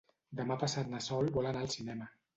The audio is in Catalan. Demà passat na Sol vol anar al cinema.